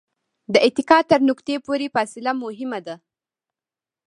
د اتکا تر نقطې پورې فاصله مهمه ده.